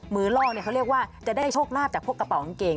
ล่อเขาเรียกว่าจะได้โชคลาภจากพวกกระเป๋ากางเกง